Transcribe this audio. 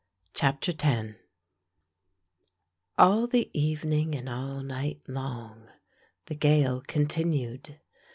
CHAPTER X All the evening and all night long the gale continued.